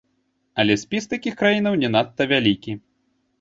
Але спіс такіх краінаў не надта вялікі.